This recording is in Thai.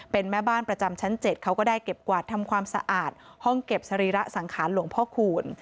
เป็นแม่บ้านประจำชั้น๗เขาก็ได้เก็บกวาดทำความสะอาดห้องเก็บสรีระสังขารหลวงพ่อคูณ